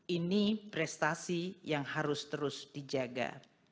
ini prestasi yang harus terus dijaga